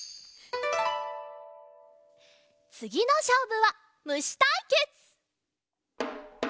つぎのしょうぶはむしたいけつ！